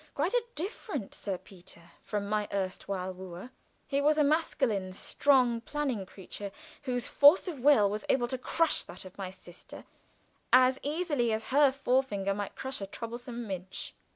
Quite a different Sir Peter from my erstwhile wooer. He was a masculine, strong, planning creature, whose force of will was able to crush that of my sister as easily as her forefinger might crush a troublesome midge.